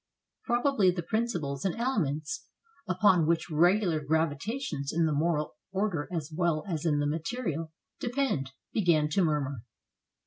Probably the principles and elements upon which regular gravitations in the moral order as well as in the material depend, began to murmur.